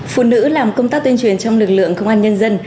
phụ nữ làm công tác tuyên truyền trong lực lượng công an nhân dân